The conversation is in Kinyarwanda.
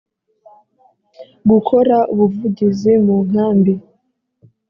Gukora Ubuvugizi Mu Nkambi